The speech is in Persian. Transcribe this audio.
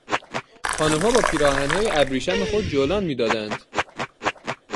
خانمها با پیراهنهای ابریشم خود جولان میدادند.